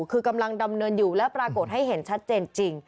คือกำลังดำเนินอยู่และปรากฏให้เห็นชัดเจนจริง